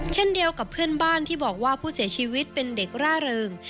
เช่นเดียวกับเพื่อนบ้านที่บอกว่าผู้เสียชีวิตเป็นเด็กร่าเริง